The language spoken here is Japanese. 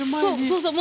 そうそう。